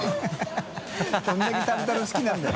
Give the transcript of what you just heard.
匹譴世タルタル好きなんだよ。